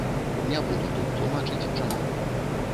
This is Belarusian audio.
Не буду тут тлумачыць, чаму.